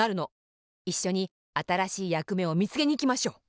いっしょにあたらしいやくめをみつけにいきましょう！